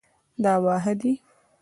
دا واښه ده